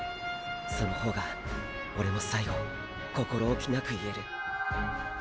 その方がオレも最後心おきなく言える。